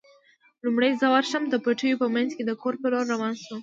لومړی زه ورشم، د پټیو په منځ کې د کور په لور روان شوم.